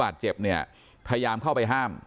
ท่านดูเหตุการณ์ก่อนนะครับ